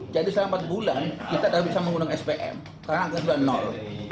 jadi selama empat bulan kita sudah bisa menggunakan spm karena kita sudah nol